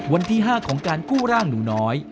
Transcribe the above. วันที่๕ของการกู้ร่างหนูน้อย